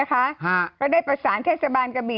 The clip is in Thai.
ก็ได้ประสานครับ